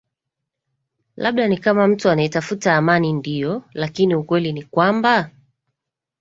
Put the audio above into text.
labda ni kama mtu anaetafuta amani ndio lakini ukweli ni kwamba